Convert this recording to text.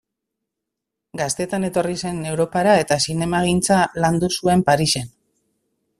Gaztetan etorri zen Europara eta zinemagintza landu zuen Parisen.